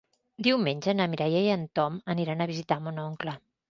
Diumenge na Mireia i en Tom aniran a visitar mon oncle.